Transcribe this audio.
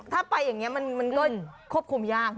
ถ้าไปอย่างนี้มันก็ควบคุมยาก